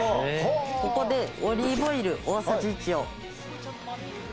ここでオリーブオイル大さじ１をかけまして。